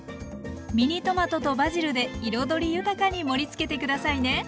ミニトマトとバジルで彩り豊かに盛りつけて下さいね。